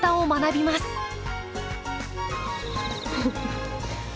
フフフフ。